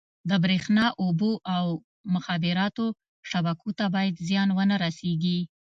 د بریښنا، اوبو او مخابراتو شبکو ته باید زیان ونه رسېږي.